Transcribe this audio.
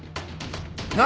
何？